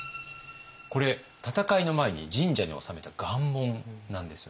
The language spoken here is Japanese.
これ戦いの前に神社に納めた願文なんですよね。